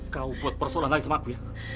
kau buat persoalan lagi sama aku ya